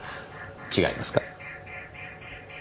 違いますか？